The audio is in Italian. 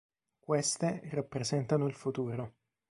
Queste rappresentano il futuro.